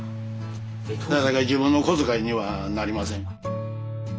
なかなか自分の小遣いにはなりません。